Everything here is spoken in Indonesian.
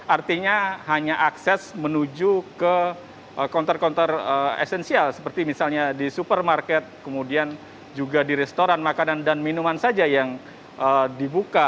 artinya hanya akses menuju ke kontor kontor esensial seperti misalnya di supermarket kemudian juga di restoran makanan dan minuman saja yang dibuka